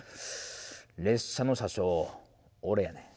列車の車掌、俺やねん。